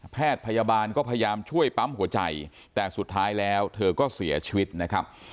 แพทย์พยาบาลก็พยายามช่วยปั๊มหัวใจแต่สุดท้ายแล้วเธอก็เสียชีวิตนะครับ